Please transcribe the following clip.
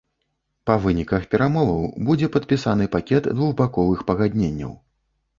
Па выніках перамоваў будзе падпісаны пакет двухбаковых пагадненняў.